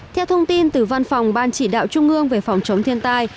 theo thông tin từ văn phòng ban chỉ đạo trung ương về phòng chống thiên tai